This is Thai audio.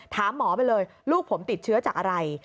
ถามหมอไปเลยลูกผมติดเชื้อจากอะไร